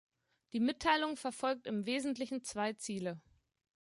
Die Mitteilung verfolgt im wesentlichen zwei Ziele.